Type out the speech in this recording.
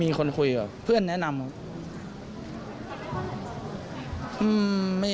มีคนคุยกับเพื่อนแนะนำครับ